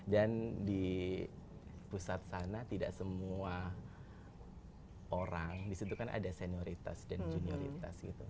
dan di pusat sana tidak semua orang disitu kan ada senioritas dan junioritas gitu